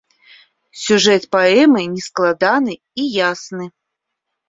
Сюжэт паэмы нескладаны і ясны.